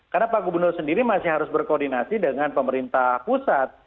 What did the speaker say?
karena pak gubernur sendiri masih harus berkoordinasi dengan pemerintah pusat